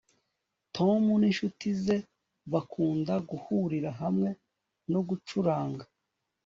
Tom ninshuti ze bakunda guhurira hamwe no gucuranga